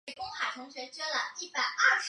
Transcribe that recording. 清初沿明制。